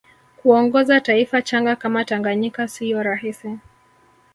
kuongoza taifa changa kama tanganyika siyo rahisi